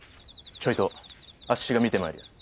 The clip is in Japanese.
ちょいとあっしが見て参りやす。